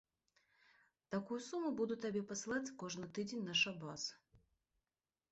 Такую суму буду табе прысылаць кожны тыдзень на шабас.